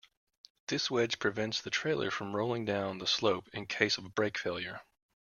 This wedge prevents the trailer from rolling down the slope in case of brake failure.